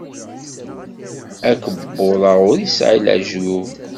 Akebbuḍ-a ur yesɛi lejyub.